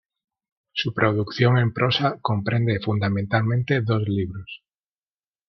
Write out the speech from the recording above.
Su producción en prosa comprende fundamentalmente dos libros.